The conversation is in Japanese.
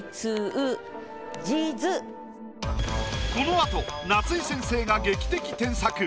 このあと夏井先生が劇的添削！